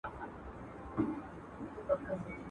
o د خره مابت لا گوز دئ، لا لغته.